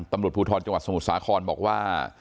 ตำรวจภูทรจังหวัดสมุทรสาครบอกว่า